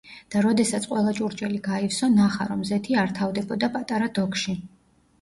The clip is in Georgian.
და როდესაც ყველა ჭურჭელი გაივსო, ნახა, რომ ზეთი არ თავდებოდა პატარა დოქში.